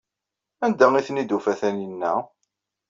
Anda ay ten-id-tufa Taninna?